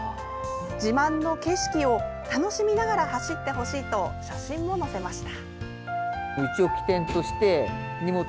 自慢の景色を楽しみながら走ってほしいと写真も載せました。